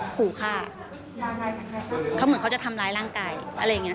ขู่ฆ่าเขาเหมือนเขาจะทำร้ายร่างกายอะไรอย่างเงี้